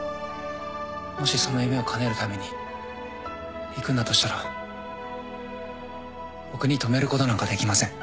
もしその夢をかなえるために行くんだとしたら僕に止めることなんかできません。